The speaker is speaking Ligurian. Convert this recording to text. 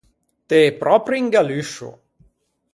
T’ê pròpio un galluscio!